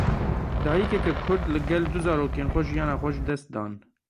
Dayîkeke Kurd li gel du zarokên xwe jiyana xwe ji dest dan.